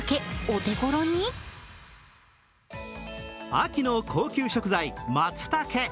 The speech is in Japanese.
秋の高級食材、まつたけ。